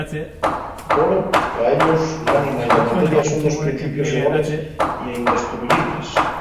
Poro, pa ellos l'ánima y la materia son dos principios iguales ya indestruyibles.